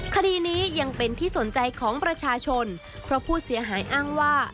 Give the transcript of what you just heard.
คดีนี้ยังเป็นที่สนใจของประชาชนเพราะผู้เสียหายอ้างว่า